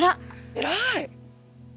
偉い？